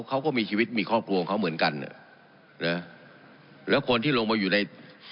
เขาก็มีชีวิตมีครอบครัวของเขาเหมือนกันอ่ะนะแล้วคนที่ลงมาอยู่ใน